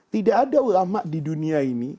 tidak ada ulama di dunia ini